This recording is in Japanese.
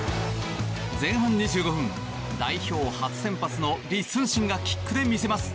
前半２５分、代表初先発のリ・スンシンがキックで見せます。